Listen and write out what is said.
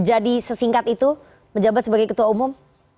jadi sesingkat itu menjabat sebagai ketua umum